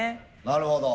なるほど。